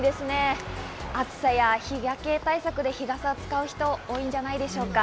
このように暑さや日焼け対策で日傘使う人、多いんじゃないでしょうか。